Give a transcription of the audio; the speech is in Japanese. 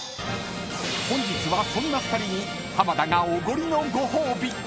［本日はそんな２人に浜田がおごりのご褒美！］